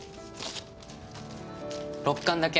６巻だけ。